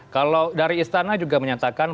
kalau dari istana juga menyatakan